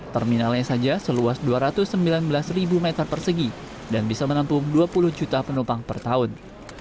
terminalnya saja seluas dua ratus sembilan belas meter persegi dan bisa menampung dua puluh juta penumpang per tahun